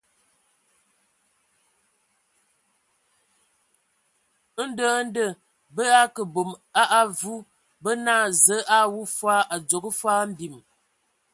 Ndɔ ndɔ bǝ akə bom a avu, bo naa : Zǝə a wu fɔɔ, a dzogo fɔɔ mbim.